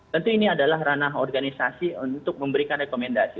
tentu ini adalah ranah organisasi untuk memberikan rekomendasi